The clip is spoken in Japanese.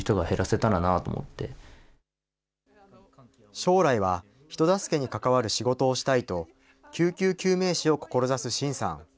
将来は人助けに関わる仕事をしたいと、救急救命士を志す真さん。